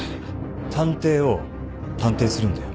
探偵を探偵するんだよ。